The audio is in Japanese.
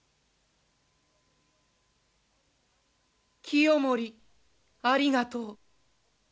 清盛ありがとう。